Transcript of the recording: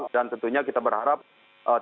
dan tentunya kita berharap tidak ada